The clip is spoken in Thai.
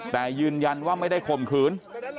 แต่ยืนยันว่าไม่ได้ข่มขืน